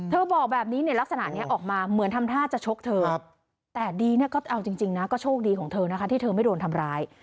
บอกแบบนี้ในลักษณะนี้ออกมาเหมือนทำท่าจะชกเธอแต่ดีเนี่ยก็เอาจริงนะก็โชคดีของเธอนะคะที่เธอไม่โดนทำร้าย